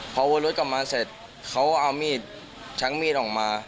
พอวนรถกลับมาเสร็จเขาเอามีดชักมีดออกมา